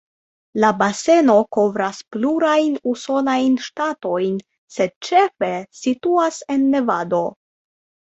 La baseno kovras plurajn usonajn ŝtatojn, sed ĉefe situas en Nevado.